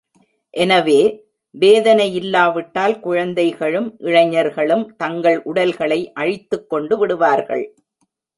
எனவே, வேதனை யில்லாவிட்டால், குழந்தைகளும் இளைஞர்களும் தங்கள் உடல்களை அழித்துக்கொண்டு விடுவார்கள்.